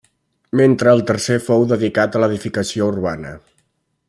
Mentre el tercer fou dedicat a l’edificació urbana.